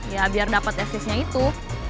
ya biar dapet esesnya itu